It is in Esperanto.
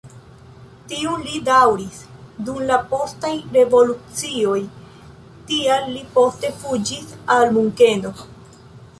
Tiun li daŭris dum la postaj revolucioj, tial li poste fuĝis al Munkeno.